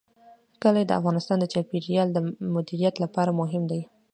کلي د افغانستان د چاپیریال د مدیریت لپاره مهم دي.